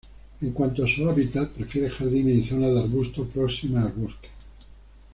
En cuanto a su hábitat prefiere jardines y zonas de arbustos próximas a bosques.